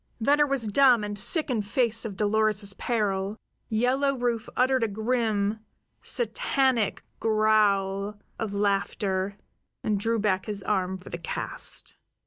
Venner was dumb and sick in face of Dolores's peril. Yellow Rufe uttered a grim, Satanic growl of laughter, and drew back his arm for the cast.